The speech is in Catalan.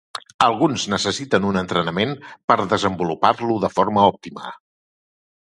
Alguns necessiten un entrenament per desenvolupar-lo de forma òptima.